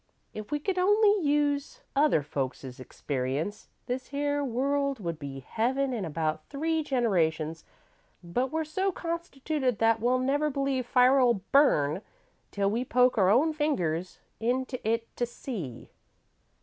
If we could only use other folks' experience, this here world would be heaven in about three generations, but we're so constituted that we never believe fire 'll burn till we poke our own fingers into it to see.